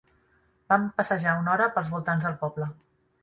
Vam passejar una hora pels voltants del poble.